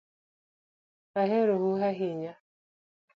Ahero u ahinya